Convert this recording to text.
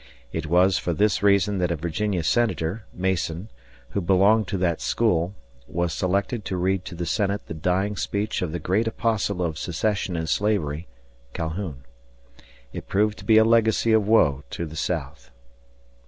It was for this reason that a Virginia Senator (Mason), who belonged to that school, was selected to read to the Senate the dying speech of the great apostle of secession and slavery (Calhoun). It proved to be a legacy of woe to the South.